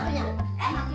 eh lu kaget mak